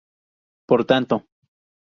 Por tanto.